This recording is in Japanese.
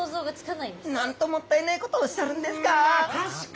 なんともったいないことおっしゃるんですか！